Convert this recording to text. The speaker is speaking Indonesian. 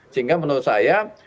sehingga menurut saya